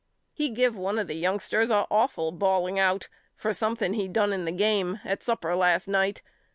He give one of the youngsters a awful bawling out for something he done in the game at supper last night.